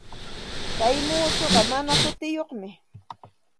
Kay muusuqa mana hutiyuqmi.